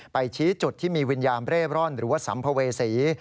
ชี้จุดที่มีวิญญาณเร่ร่อนหรือว่าสัมภเวษี